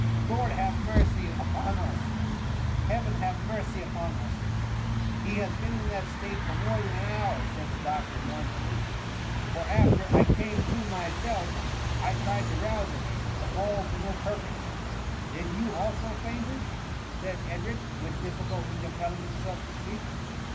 Lord have mercy upon us ! Heaven have mercy upon us T *^ He has been in that state for more than an hour/' said the doctor mournfully ;" for, after I came to myself, I tried to rouse him, but all | to no purpose. " Then you also fainted ?^ said Edrie> with difficulty compelling himself to sp^ak.